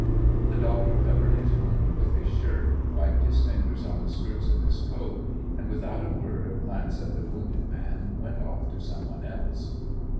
The doctor covered his wound with his shirt, wiped his fingers on the skirts of 250 SEVASTOPOL IN AUGUST. his coat, and, without a word or glance at the wounded man, went off to some one else.